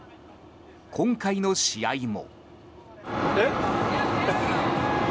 今回の試合も。